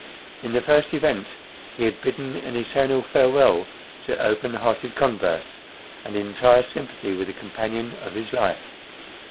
In the first event he had bidden an eternal farewell to open hearted converse, and entire sympathy with the companion of his life.